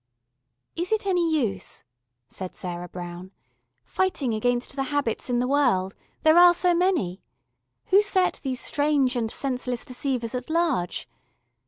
"Is it any use," said Sarah Brown, "fighting against the Habits in the world, there are so many. Who set these strange and senseless deceivers at large?